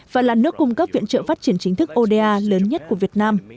và là nước cung cấp viện trợ phát triển chính thức oda lớn nhất của việt nam